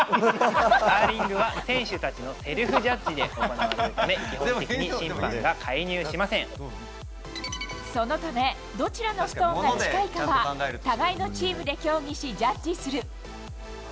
カーリングは選手たちのセルフジャッジで行われるため、基本的にそのため、どちらのストーンが近いかは、互いのチームで協議しジャッジする。